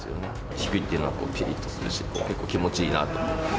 低いというのはぴりっとするし、結構気持ちいいなと。